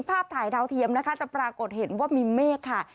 ภาพถ่ายดาวเทียมนะคะจะปรากฏเห็นว่ามีเมฆค่ะ